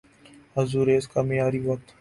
Azores کا معیاری وقت